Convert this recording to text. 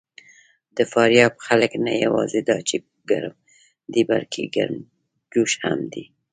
د فاریاب خلک نه یواځې دا چې ګرم دي، بلکې ګرمجوش هم دي.